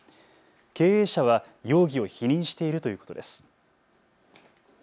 経営者は容疑を否認しているということです。